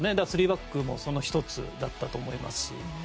３バックもその１つだったと思いますし。